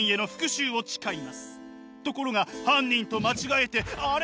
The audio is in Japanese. ところが犯人と間違えてあれ？